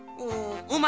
うま！